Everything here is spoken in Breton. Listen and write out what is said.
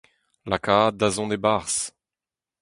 lakaat da zont e-barzh